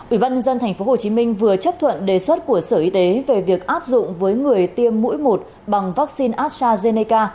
ủy ban nhân dân tp hcm vừa chấp thuận đề xuất của sở y tế về việc áp dụng với người tiêm mũi một bằng vaccine astrazeneca